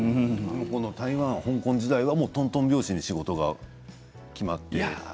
台湾、香港時代はとんとん拍子で仕事が決まって？